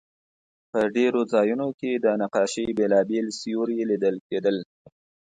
په ډېرو ځایونو کې د نقاشۍ بېلابېل سیوري لیدل کېدل.